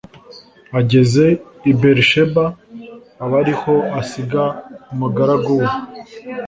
Ageze i Berisheba aba ari ho asiga umugaragu we